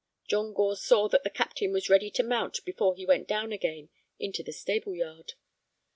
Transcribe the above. John Gore saw that the captain was ready to mount before he went down again into the stable yard.